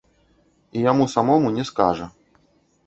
І яму самому не скажа.